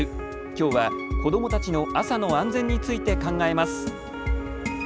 きょうは子どもたちの朝の安全について考えます。